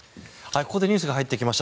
ここでニュースが入ってきました。